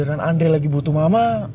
dengan andre lagi butuh mama